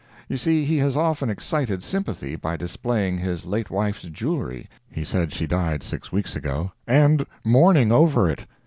You see he has often excited sympathy by displaying his late wife's jewelry (he said she died six weeks ago,) and mourning over it.